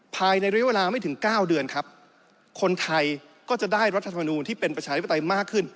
ภายในระยะเวลาไม่ถึงเก้าเดือนครับคนไทยก็จะได้รัฐธรรมนูลที่เป็นประชาธิปไตยมากขึ้น